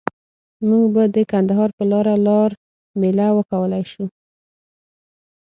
مونږ به د کندهار په لاره لار میله وکولای شو.